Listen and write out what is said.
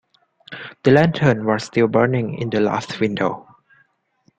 The lantern was still burning in the loft-window.